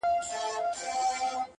o سیاه پوسي ده د مړو ورا ده؛